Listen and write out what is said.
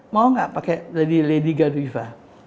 mau gak pake lady gadwiva